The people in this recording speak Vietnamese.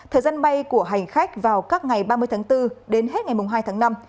thời gian bay của hành khách vào các ngày ba mươi tháng bốn đến hết ngày hai tháng năm